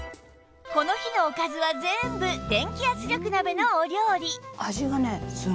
この日のおかずは全部電気圧力鍋のお料理